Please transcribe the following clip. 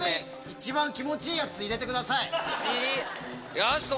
一番気持ちいいやつ入れてください。